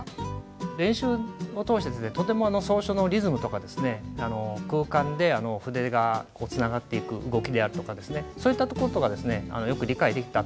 練習を通してとても草書のリズムとか空間で筆がつながっていく動きであるとかそういったところとかよく理解できたと思います。